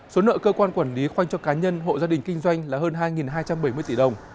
số nợ cơ quan quản lý khoanh cho cá nhân hộ gia đình kinh doanh là hơn hai hai trăm bảy mươi tỷ đồng